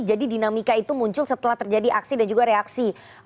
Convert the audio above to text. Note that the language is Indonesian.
jadi dinamika itu muncul setelah terjadi aksi dan juga reaksi